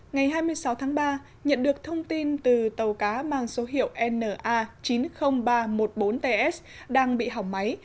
ngày hai mươi sáu tháng ba nhận được thông tin từ tàu cá mang số hiệu na chín mươi nghìn ba trăm một mươi bốn ts đang bị hỏng máy